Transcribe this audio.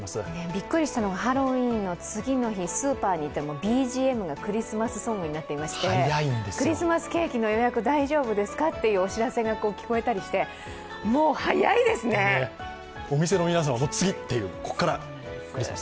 びっくりしたのがハロウィーンの次の日、スーパーに行ったらＢＧＭがクリスマスになっていてクリスマスケーキの予約大丈夫ですか？というお知らせがお店の皆さんは次という、ここから。